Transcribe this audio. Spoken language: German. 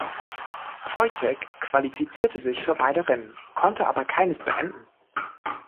Foitek qualifizierte sich für beide Rennen, konnte aber keines beenden.